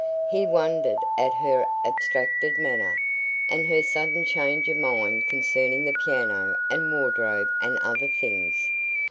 He wondered at her abstracted manner, and her sudden change of mind concerning the piano and wardrobe and other things.